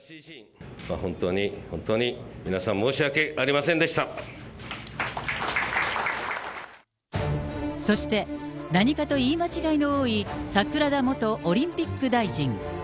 本当に本当に、皆さん、そして、何かと言い間違いの多い、桜田元オリンピック大臣。